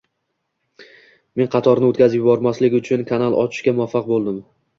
Men qatorni o'tkazib yubormaslik uchun kanal ochishga muvaffaq bo'ldim.